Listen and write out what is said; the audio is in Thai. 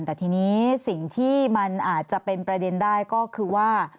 แต่ทีนี้สิ่งที่มันอาจจะเป็นประเด็นได้ก็คือว่า